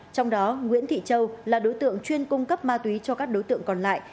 trong đó nguyễn thị châu là đối tượng chuyên cung cấp ma túy cho các đối tượng còn lại